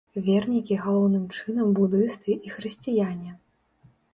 Вернікі галоўным чынам будысты і хрысціяне.